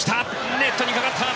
ネットにかかった。